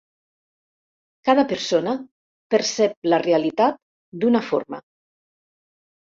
Cada persona percep la realitat d'una forma.